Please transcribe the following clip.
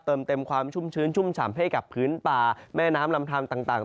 เติมเต็มความชุ่มชื้นชุ่มฉ่ำให้กับพื้นป่าแม่น้ำลำทานต่าง